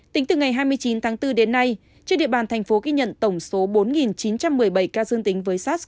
tính từ ngày hai mươi chín tháng bốn đến nay trên địa bàn thành phố ghi nhận tổng số bốn chín trăm linh ca cộng đồng